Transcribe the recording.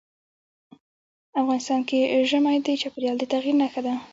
افغانستان کې ژمی د چاپېریال د تغیر نښه ده.